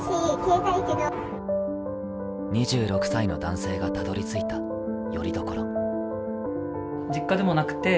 ２６歳の男性がたどりついた、拠り所。